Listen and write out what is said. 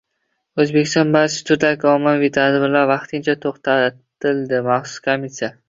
O‘zbekistonda barcha turdagi ommaviy tadbirlar vaqtincha to‘xtatildi - Maxsus komissiya